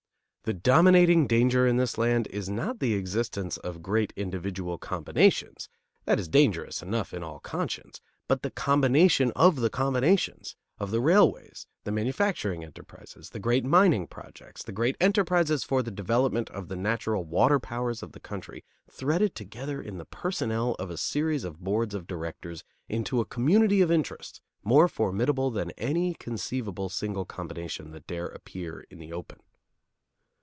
The dominating danger in this land is not the existence of great individual combinations, that is dangerous enough in all conscience, but the combination of the combinations, of the railways, the manufacturing enterprises, the great mining projects, the great enterprises for the development of the natural water powers of the country, threaded together in the personnel of a series of boards of directors into a "community of interest" more formidable than any conceivable single combination that dare appear in the open.